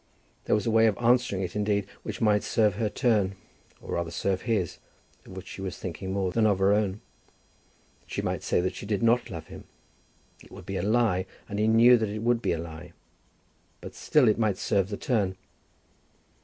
There was a way of answering it indeed which might serve her turn, or rather serve his, of which she was thinking more than of her own. She might say that she did not love him. It would be a lie, and he would know that it would be a lie. But still it might serve the turn.